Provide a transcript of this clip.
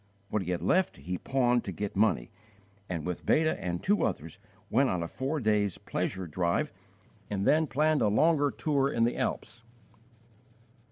What he had left he pawned to get money, and with Beta and two others went on a four days' pleasure drive, and then planned a longer tour in the Alps.